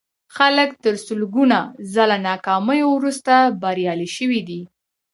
خلک تر سلګونه ځله ناکاميو وروسته بريالي شوي دي.